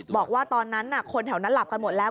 บอกว่าตอนนั้นคนแถวนั้นหลับกันหมดแล้ว